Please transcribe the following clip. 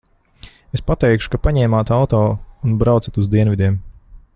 Es pateikšu, ka paņēmāt auto un braucat uz dienvidiem.